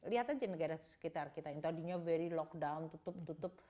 lihat aja negara sekitar kita yang tadinya very lockdown tutup tutup